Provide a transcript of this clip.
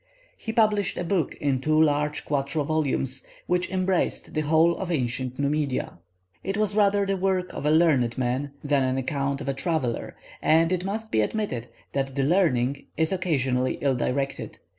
He published a book in two large quarto volumes, which embraced the whole of ancient Numidia. [Illustration: Map of part of North Africa.] It was rather the work of a learned man than the account of a traveller, and it must be admitted that the learning is occasionally ill directed.